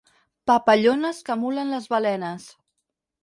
Papallones que emulen les balenes.